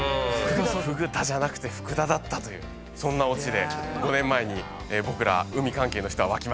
フグタじゃなくてフクダだったというそんなオチで５年前に僕ら海関係の人は沸きました。